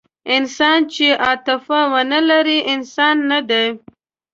انسان چې عاطفه ونهلري، انسان نهدی.